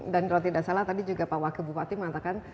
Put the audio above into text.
kalau tidak salah tadi juga pak wakil bupati mengatakan